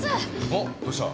おっどうした？